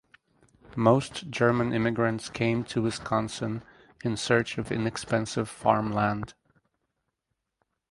Most German immigrants came to Wisconsin in search of inexpensive farmland.